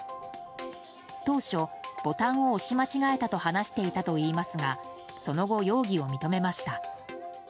当初、ボタンを押し間違えたと話していたといいますがその後、容疑を認めました。